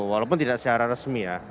walaupun tidak secara resmi ya